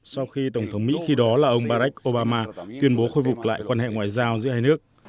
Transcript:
sau khi tổng thống mỹ khi đó là ông barack obama tuyên bố khôi phục lại quan hệ ngoại giao giữa hai nước